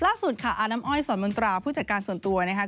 ล่าสุดค่ะอาน้ำอ้อยสอนมนตราผู้จัดการส่วนตัวนะคะ